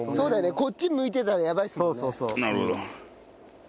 こっち向いてたらやばいですもんね。